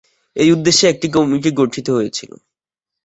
এই উদ্দেশ্যে একটি কমিটি গঠিত হয়েছিল।